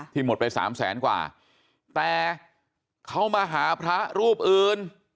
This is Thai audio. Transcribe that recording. หมดไปสามแสนกว่าแต่เขามาหาพระรูปอื่น